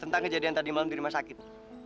tentang kejadian tadi malam di rumah sakit